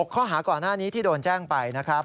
ข้อหาก่อนหน้านี้ที่โดนแจ้งไปนะครับ